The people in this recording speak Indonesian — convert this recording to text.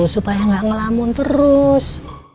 supaya gak ngelamun terus